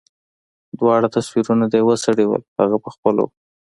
دواړه تصويرونه د يوه سړي وو هغه پخپله و.